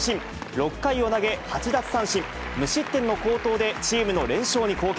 ６回を投げ８奪三振、無失点の好投でチームの連勝に貢献。